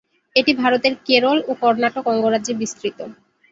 এটি ভারতের কেরল ও কর্ণাটক অঙ্গরাজ্যে বিস্তৃত।